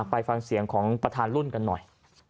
ไปฟังเสียงของประธานรุ่นกันหน่อย